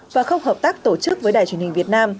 và không hợp tác tổ chức với đài truyền hình việt nam